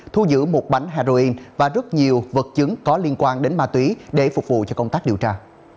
thu giữ một bánh heroin và rất nhiều vật chứng có liên quan đến ma túy để phục vụ cho công tác điều tra